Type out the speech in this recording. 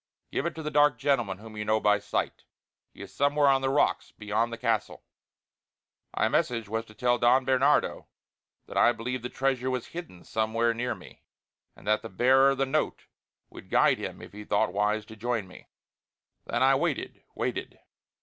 Give it to the dark gentleman whom you know by sight. He is somewhere on the rocks beyond the Castle." My message was to tell Don Bernardino that I believed the treasure was hidden somewhere near me, and that the bearer of the note would guide him if he thought wise to join me. Then I waited, waited.